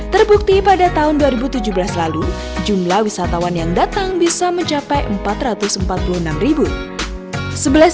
terbukti pada tahun dua ribu tujuh belas lalu jumlah wisatawan yang datang bisa mencapai empat ratus empat puluh enam ribu